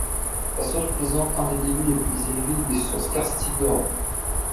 Sa source présente un des débits les plus élevés des sources karstiques d’Europe.